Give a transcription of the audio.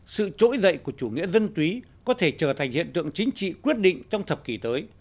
sự trỗi dậy của chủ nghĩa dân túy có thể trở thành hiện tượng chính trị quyết định trong thập kỷ tới